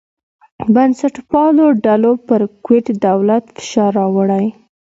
بنسټپالو ډلو پر کویت دولت فشار راوړی.